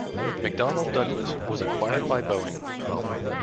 McDonnell Douglas was acquired by Boeing.